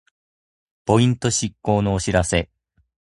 ポイント失効のお知らせ